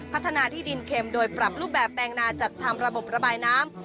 พัฒนาที่ดินเข็มโดยปรับรูปแบบแปลงนาจัดทำระบบระบายน้ำ